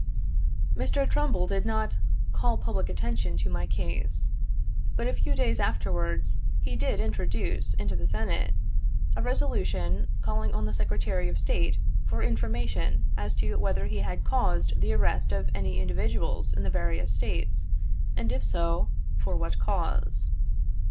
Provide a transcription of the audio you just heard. Mr. Trumbull did not "call public attention to my case ;" but a few days afterwards he did introduce in the Senate a resolution calling on the Secretary of State for informa tion as to whether he had caused the arrest of any indi viduals in the various States, and if so, for what cause.